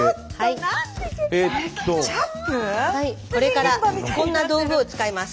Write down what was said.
これからこんな道具を使います。